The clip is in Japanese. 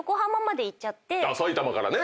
埼玉からね。